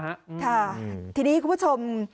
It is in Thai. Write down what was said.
ค่ะทีนี้คุณผู้ชม